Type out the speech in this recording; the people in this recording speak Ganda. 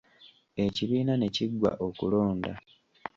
Ekibiina ne kiggwa okulonda.